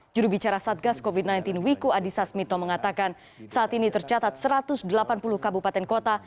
jurubicara satgas covid sembilan belas wiku adhisa smito mengatakan saat ini tercatat satu ratus delapan puluh kabupaten kota